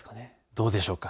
どうでしょうか。